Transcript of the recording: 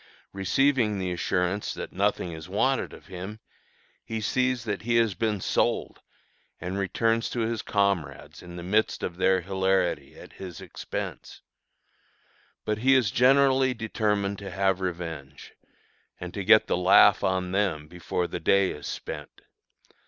Receiving the assurance that nothing is wanted of him, he sees that he has been "sold," and returns to his comrades in the midst of their hilarity at his expense. But he is generally determined to have revenge, and to get the "laugh" on them before the day is spent.